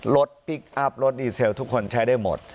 รถพลิกอัพรถดีเซลทุกคนใช้ได้หมด